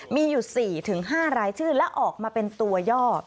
มีอยู่๔๕รายชื่อและออกมาเป็นตัวย่อ